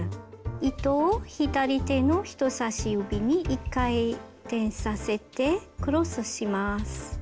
糸を左手の人さし指に１回転させてクロスします。